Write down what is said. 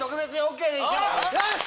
よし‼